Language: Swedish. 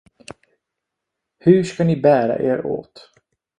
Hur ska ni bära er åt?